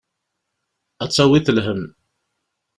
Ad d-tawiḍ lhemm.